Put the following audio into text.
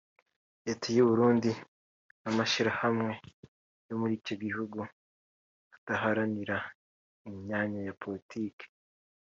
leta y’u Burundi n’amashyirahamwe yo muri icyo gihugu adaharanira imyanya ya politike